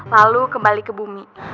lalu kembali ke bumi